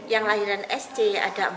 yang lahiran sc ada empat